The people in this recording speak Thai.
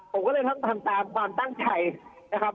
ผมก็เลยต้องทำตามความตั้งใจนะครับ